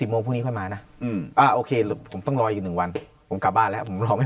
โมงกันมานะออกไว้ผมต้องรออีก๑วันน้างบ้านแล้วเพราะไม่